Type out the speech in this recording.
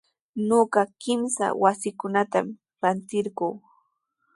Ñuqa kimsa wasikunatami rantirquu.